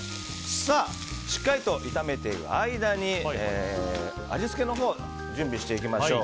しっかりと炒めている間に味付けのほう準備していきましょう。